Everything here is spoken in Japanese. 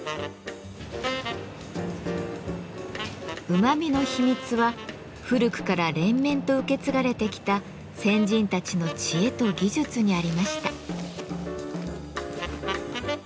うまみの秘密は古くから連綿と受け継がれてきた先人たちの知恵と技術にありました。